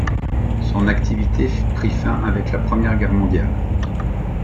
Son activité prit fin avec la Première Guerre Mondiale.